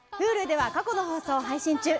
Ｈｕｌｕでは過去の放送を配信中。